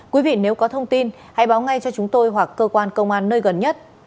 quý vị nếu có thông tin hãy báo ngay cho chúng tôi hoặc cơ quan công an nơi gần nhất